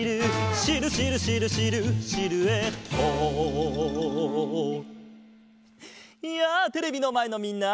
「シルシルシルシルシルエット」やあテレビのまえのみんな！